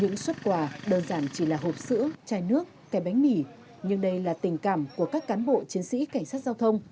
những xuất quà đơn giản chỉ là hộp sữa chai nước cái bánh mì nhưng đây là tình cảm của các cán bộ chiến sĩ cảnh sát giao thông